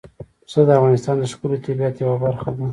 پسه د افغانستان د ښکلي طبیعت یوه برخه ده.